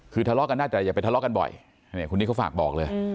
คือทะเลาะกันได้แต่อย่าไปทะเลาะกันบ่อยคนนี้เขาฝากบอกเลย